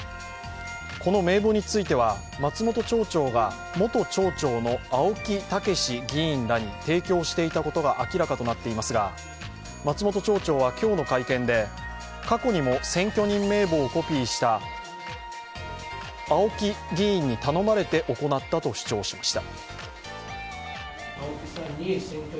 名簿については、元町長の青木健議員らに提供していたことが明らかとなっていますが、松本町長は今日の会見で、過去にも選挙人名簿をコピーした、青木議員に頼まれて行ったと主張しました。